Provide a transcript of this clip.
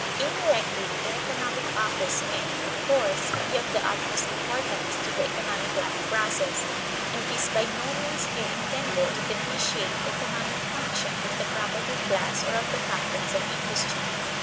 Indirectly their economic office may, of course, be of the utmost importance to the economic life process; and it is by no means here intended to depreciate the economic function of the propertied class or of the captains of industry.